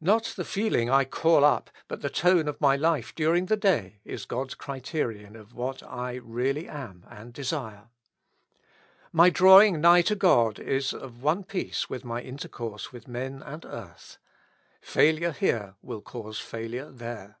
Not the feeling I call up, but the tone of my life during the day, is God's criterion of what I really am and desire. My drawing nigh to God is of one piece with my intercourse with men and earth ; failure here will cause failure there.